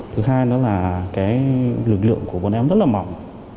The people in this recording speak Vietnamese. thứ hai nữa là cái lực lượng của bọn em rất là mỏng